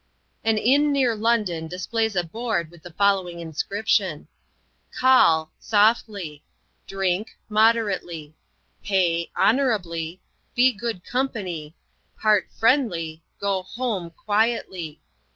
An inn near London displays a board with the following inscription: "Call Softly, Drink Moderately, Pay Honourably; Be good Company, Part FRIENDLY, Go HOME quietly.